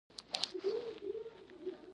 سږکال اوبه ډېرې راخلتلې دي.